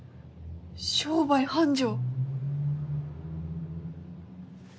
商売繁盛！